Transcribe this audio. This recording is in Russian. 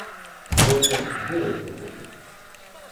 Впрочем, делай, что хочешь...